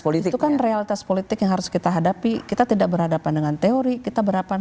politik itu kan realitas politik yang harus kita hadapi kita tidak berhadapan dengan teori kita berhadapan